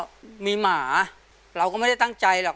ก็มีหมาเราก็ไม่ได้ตั้งใจหรอก